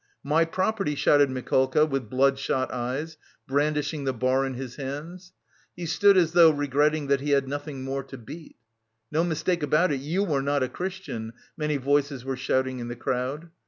"My property!" shouted Mikolka, with bloodshot eyes, brandishing the bar in his hands. He stood as though regretting that he had nothing more to beat. "No mistake about it, you are not a Christian," many voices were shouting in the crowd.